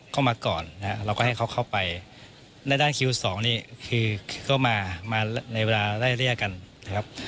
เข้ามาก่อนนะครับเราก็ให้เขาเข้าไปในด้านคิวสองนี่คือก็มามาในเวลาไล่เรียกกันนะครับ